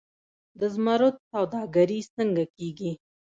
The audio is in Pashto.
د زمرد سوداګري څنګه کیږي؟